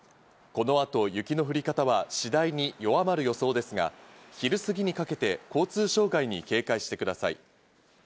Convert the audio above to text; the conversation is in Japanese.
この後、雪の降り方は次第に弱まる予想ですが、昼過ぎにかけて交通障害に警戒してください。